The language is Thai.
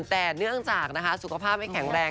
แต่เนื่องจากสุขภาพไม่แข็งแรง